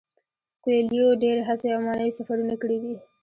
کویلیو ډیرې هڅې او معنوي سفرونه کړي دي.